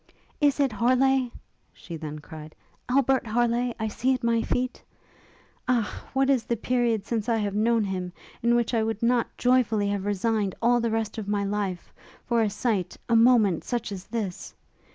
'Is it Harleigh,' she then cried, 'Albert Harleigh, I see at my feet? Ah! what is the period, since I have known him, in which I would not joyfully have resigned all the rest of my life, for a sight, a moment such as this!